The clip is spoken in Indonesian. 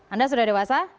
anda sudah dewasa